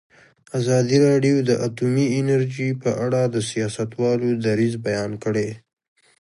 ازادي راډیو د اټومي انرژي په اړه د سیاستوالو دریځ بیان کړی.